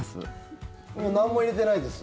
なんも入れてないです。